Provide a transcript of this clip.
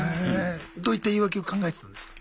どういった言い訳を考えてたんですか？